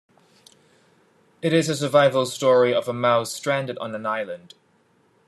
It is a survival story of a mouse stranded on an island.